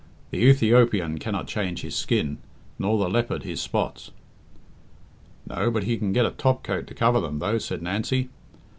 The Ethiopian cannot change his skin, nor the leopard his spots." "No, but he can get a topcoat to cover them, though," said Nancy.